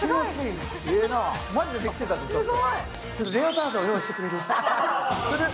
マジでできてたで、ちょっと。